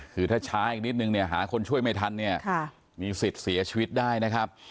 คือถ้าช้าอีกนิดนึงเนี่ยหาคนช่วยไม่ทันเนี่ยมีสิทธิ์เสียชีวิตได้นะครับ